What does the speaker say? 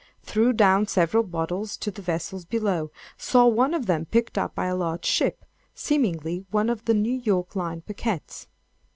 Threw down several bottles to the vessels below. Saw one of them picked up by a large ship—seemingly one of the New York line packets.